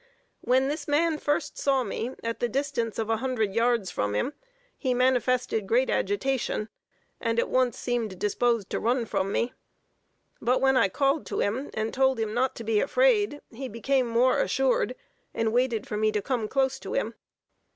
When this man first saw me, at the distance of a hundred yards from him, he manifested great agitation, and at once seemed disposed to run from me; but when I called to him, and told him not to be afraid, he became more assured, and waited for me to come close to him.